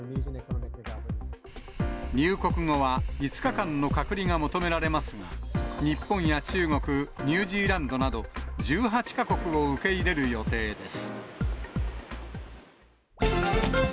入国後は５日間の隔離が求められますが、日本や中国、ニュージーランドなど、１８か国を受け入れる予定です。